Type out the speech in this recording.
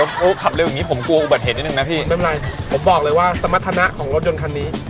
ไม่เป็นไรผมบอกเลยว่าสมรรถนะของรถยนต์คันนี้